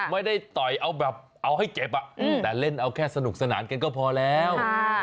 ไม่ได้ต่อยเอาแบบเอาให้เจ็บแต่เล่นเอาแค่สนุกสนานกันก็พอแล้ว